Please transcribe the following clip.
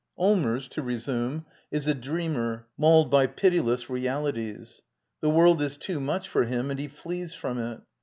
Allmers, to resume, i^ a dreamer nwiuled^bypiti less^reffijies. The world is too much foFHim sm^ he flees from it